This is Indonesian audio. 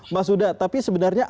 mas uda tapi sebenarnya apa